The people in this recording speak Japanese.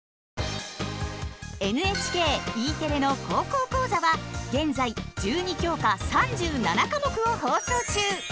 ＮＨＫＥテレの「高校講座」は現在１２教科３７科目を放送中。